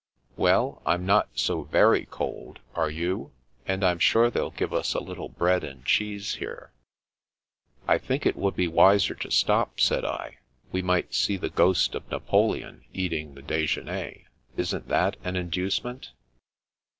" Well — Fm not so very cold, are you ? And Fm sure they'll give us a little bread and cheese here." " I think it would be wiser to stop," said I. " We might see the ghost of Napoleon eating the de jeuner. Isn't that an inducement